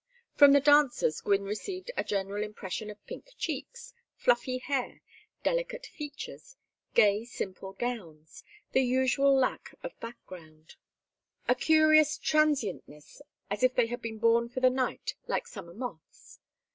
From the dancers Gwynne received a general impression of pink cheeks, fluffy hair, delicate features, gay simple gowns, the usual lack of background; a curious transientness, as if they had been born for the night like summer moths.